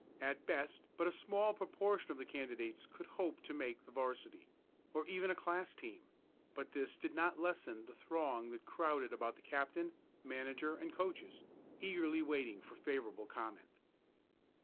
At best but a small proportion of the candidates could hope to make the 'varsity, or even a class team, but this did not lessen the throng that crowded about the captain, manager and coaches, eagerly waiting for favorable comment.